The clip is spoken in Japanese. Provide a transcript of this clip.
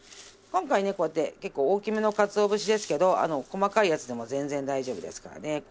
今回ねこうやって結構大きめのかつお節ですけど細かいやつでも全然大丈夫ですからね。